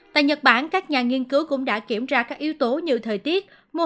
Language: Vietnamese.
tại nhật bản các nhà nghiên cứu cũng đã kiểm tra các yếu tố như thời tiết